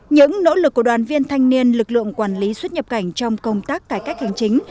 những nỗ lực của đoàn viên thanh niên lực lượng quản lý xuất nhập cảnh trong công tác cải cách hành chính